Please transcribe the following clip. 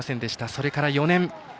それから４年。